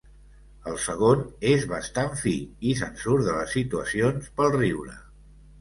El segon és bastant fi i se'n surt de les situacions pel riure.